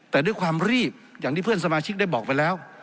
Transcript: แต่ด้วยความรีบอย่างที่เพื่อนสมาชิกได้บอกไปแล้ว